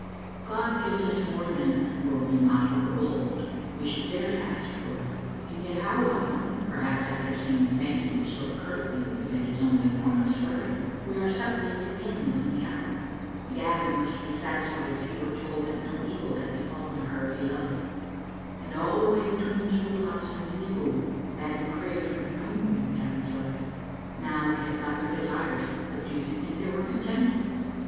God gives us more than, were we not overbold, we should dare to ask for, and yet how often (perhaps after saying " Thank God" so curtly that it is only a form of swearing) we are suppliants again within the hour. Gavin was to be satisfied if he were told that no evil had befallen her he loved, and all the way between the school house and Windyghoul Babbie craved for no more than Gavin's life. Now they had got their de sires; but do you think they were content?